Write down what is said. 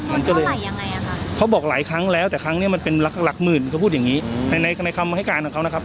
เขาบอกหลายครั้งแล้วแต่ครั้งเนี้ยมันเป็นหลักหลักหมื่นเขาพูดอย่างงี้ในในในคำให้การของเขานะครับ